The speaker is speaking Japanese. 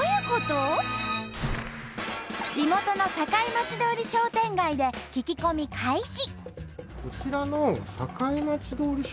地元の堺町通り商店街で聞き込み開始！